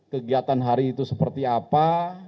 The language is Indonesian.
kegiatan hari itu seperti apa